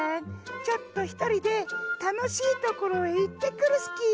ちょっとひとりでたのしいところへいってくるスキー。